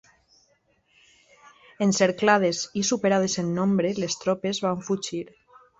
Encerclades i superades en nombre, les tropes van fugir.